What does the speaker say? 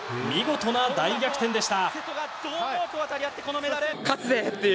見事な大逆転でした。